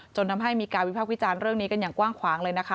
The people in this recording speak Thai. จนทำให้มีการวิพากษ์วิจารณ์เรื่องนี้กันอย่างกว้างขวางเลยนะคะ